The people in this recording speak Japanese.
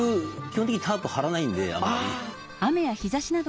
基本的にタープ張らないんであんまり。